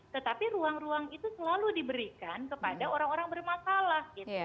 tetapi ruang ruang itu selalu diberikan kepada orang orang bermasalah